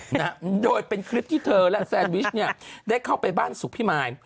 นะฮะโดยเป็นคลิปที่เธอและแซนวิชเนี่ยได้เข้าไปบ้านสุขพิมาย